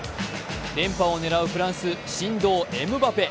連覇を狙うフランス、神童・エムバペ。